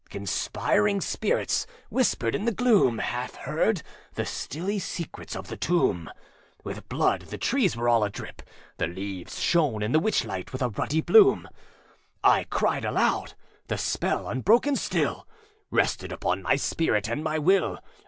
âConspiring spirits whispered in the gloom, Half heard, the stilly secrets of the tomb. With blood the trees were all adrip; the leaves Shone in the witch light with a ruddy bloom. âI cried aloud!âthe spell, unbroken still, Rested upon my spirit and my will.